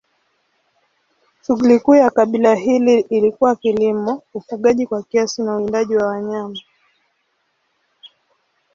Shughuli kuu ya kabila hili ilikuwa kilimo, ufugaji kwa kiasi na uwindaji wa wanyama.